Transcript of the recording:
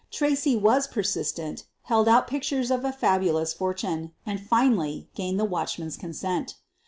Tracy was per sistent, held out pictures of a fabulous fortune, and finally gained the watchman's consent.